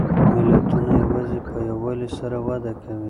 ملتونه یوازې په یووالي سره وده کوي.